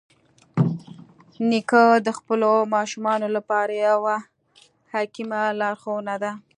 نیکه د خپلو ماشومانو لپاره یوه حکیمه لارښوونه ده.